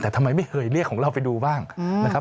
แต่ทำไมไม่เคยเรียกของเราไปดูบ้างนะครับ